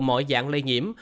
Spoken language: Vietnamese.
mọi dạng lây nhiễm